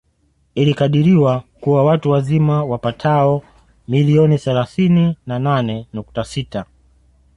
Ilikadiriwa kuwa watu wazima wapato milioni thalathini na nane nukta sita